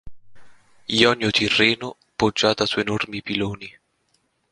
Jonio-Tirreno poggiata su enormi piloni.